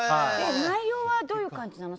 内容はどういう感じの？